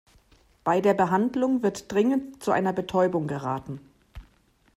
Bei der Behandlung wird dringend zu einer Betäubung geraten.